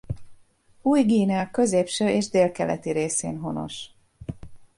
Új-Guinea középső és délkeleti részén honos.